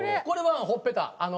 これはほっぺた。